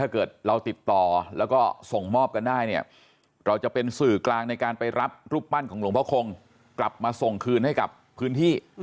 กำลังในการไปรับรูปปั้นของหลวงพ่อคงกลับมาส่งคืนให้กับพื้นที่